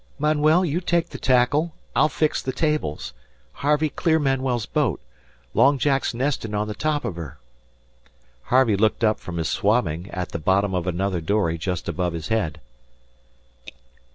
"Manuel, you take the tackle. I'll fix the tables. Harvey, clear Manuel's boat. Long Jack's nestin' on the top of her." Harvey looked up from his swabbing at the bottom of another dory just above his head.